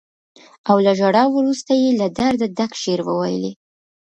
او له ژړا وروسته یې له درده ډک شعر وويلې.